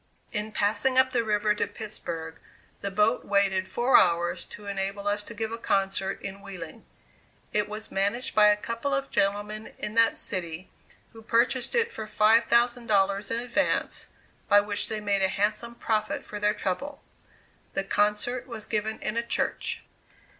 In passing up the river to Pittsburg, the boat waited four hours to enable us to give a concert in Wheeling. It was managed by a couple of gentlemen in that city, who purchased it for five thousand dollars in advance, by which they made a handsome profit for their trouble. The concert was given in a church.